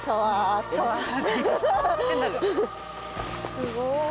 すごい。